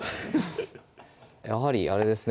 やはりあれですね